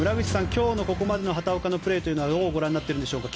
今日のここまでの畑岡のプレーどうご覧になっているでしょうか。